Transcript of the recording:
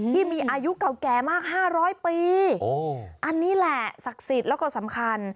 ที่มีอายุเก่าแก่มากห้าร้อยปีอันนี้แหละศักดิ์สิทธิ์แล้วก็สำคัญ